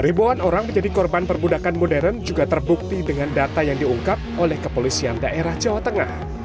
ribuan orang menjadi korban perbudakan modern juga terbukti dengan data yang diungkap oleh kepolisian daerah jawa tengah